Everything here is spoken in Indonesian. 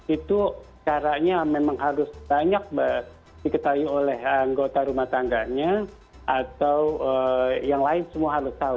itu caranya memang harus banyak diketahui oleh anggota rumah tangganya atau yang lain semua harus tahu